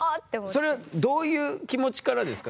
それはどういう気持ちからですか？